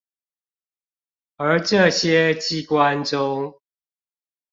而這些機關中